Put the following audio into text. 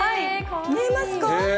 見えますか？